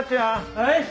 はい。